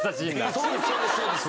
そうです